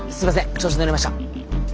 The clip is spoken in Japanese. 調子乗りました。